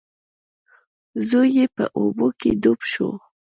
زوی یې په اوبو کې ډوب شو.